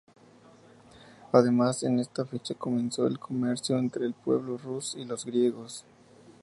Además en esta fecha comenzó el comercio entre el pueblo Rus y los griegos.